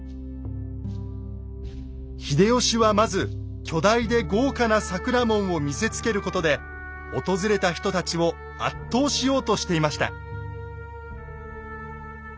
秀吉はまず巨大で豪華な桜門を見せつけることで訪れた人たちを圧倒しようとしていました。